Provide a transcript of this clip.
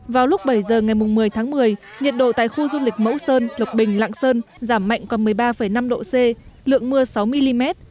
vào lúc bảy giờ ngày một mươi tháng một mươi nhiệt độ tại khu du lịch mẫu sơn lộc bình lạng sơn giảm mạnh còn một mươi ba năm độ c lượng mưa sáu mm